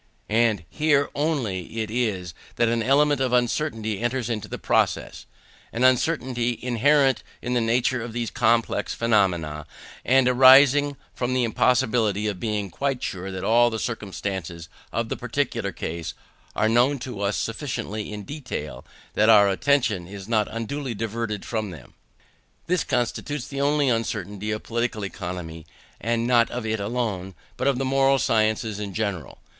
And here only it is that an element of uncertainty enters into the process an uncertainty inherent in the nature of these complex phenomena, and arising from the impossibility of being quite sure that all the circumstances of the particular case are known to us sufficiently in detail, and that our attention is not unduly diverted from any of them. This constitutes the only uncertainty of Political Economy; and not of it alone, but of the moral sciences in general.